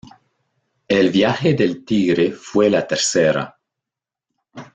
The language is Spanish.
El Viaje del Tigre fue la tercera.